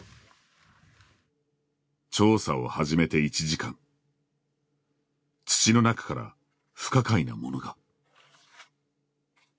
調査を始めて１時間土の中から不可解なものが。